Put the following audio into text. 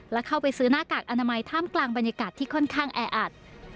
และเข้าไปซื้อหน้ากากอนามัยท่ามกลางบรรยากาศที่ค่อนข้างแออัด